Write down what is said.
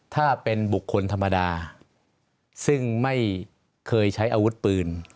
ถ้าเป็นบุคคลธรรมดาซึ่งไม่เคยใช้อาวุธปืน